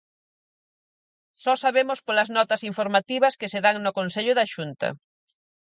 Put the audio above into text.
Só sabemos polas notas informativas que se dan no Consello da Xunta.